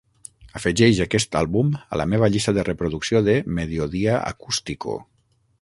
afegeix aquest àlbum a la meva llista de reproducció de Mediodía Acústico